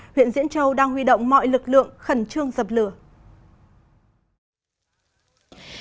huyện diễn châu đang huy động mọi lực lượng khẩn trương dập lửa